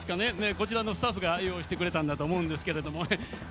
こちらのスタッフが用意してくれたんだと思うんですけれども。